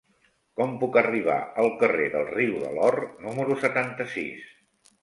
Com puc arribar al carrer del Riu de l'Or número setanta-sis?